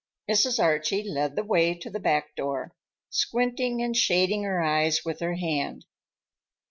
Mrs. Archie led the way to the back door, squinting and shading her eyes with her hand.